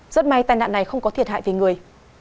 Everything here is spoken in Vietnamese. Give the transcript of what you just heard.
rất may tai nạn này không có thiệt hại về người